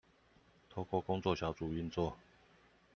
透過工作小組運作